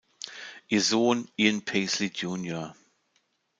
Ihr Sohn Ian Paisley jr.